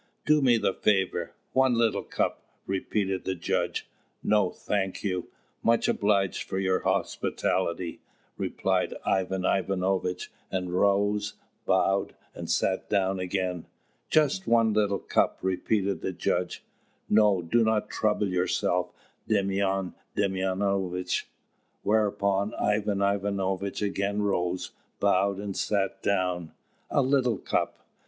"Do me the favour one little cup," repeated the judge. "No, thank you; much obliged for your hospitality," replied Ivan Ivanovitch, and rose, bowed, and sat down again. "Just one little cup," repeated the judge. "No, do not trouble yourself, Demyan Demyanovitch." Whereupon Ivan Ivanovitch again rose, bowed, and sat down. "A little cup!"